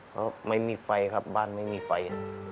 เพราะไม่มีไฟครับบ้านไม่มีไฟ